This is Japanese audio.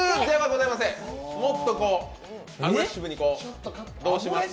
もっとアグレッシブに、どうしますか。